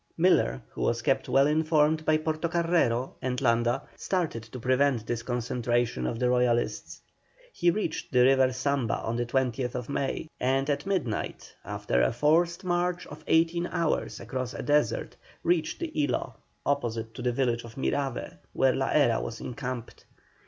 Miller, who was kept well informed by Portocarrero and Landa, started to prevent this concentration of the Royalists. He reached the river Samba on the 20th May, and at midnight, after a forced march of eighteen hours across a desert, reached the Ilo, opposite to the village of Mirave, where La Hera was encamped.